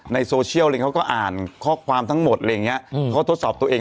ในโซเชียลเลยเขาก็อ่านข้อความทั้งหมดอะไรอย่างเงี้ยเขาก็ทดสอบตัวเอง